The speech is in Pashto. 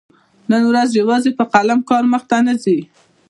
نن ورځ يوازي په قلم کار مخته نه ځي.